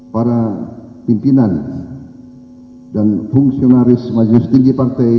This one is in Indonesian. para pimpinan dan fungsionaris majelis tinggi partai